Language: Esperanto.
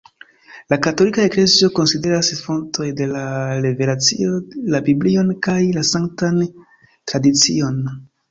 La katolika Eklezio konsideras fontoj de la revelacio la Biblion kaj la Sanktan Tradicion.